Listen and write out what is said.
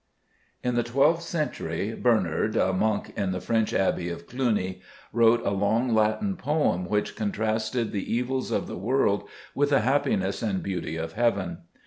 In the 1 2th century Bernard, a monk in the French Abbey of Cluny, wrote a long Latin poem which con trasted the evils of the world with the happiness and beauty of heaven.